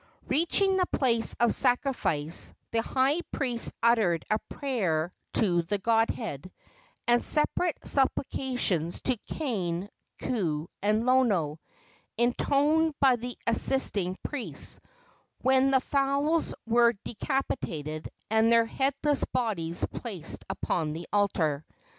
Reaching the place of sacrifice, the high priest uttered a prayer to the godhead, and separate supplications to Kane, Ku and Lono, intoned by the assisting priests, when the fowls were decapitated and their headless bodies placed upon the altar.